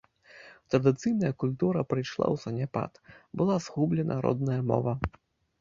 Традыцыйная культура прыйшла ў заняпад, была згублена родная мова.